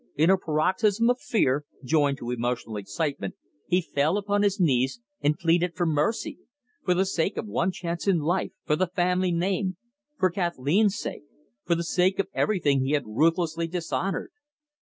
In a paroxysm of fear, joined to emotional excitement, he fell upon his knees, and pleaded for mercy for the sake of one chance in life, for the family name, for Kathleen's sake, for the sake of everything he had ruthlessly dishonoured.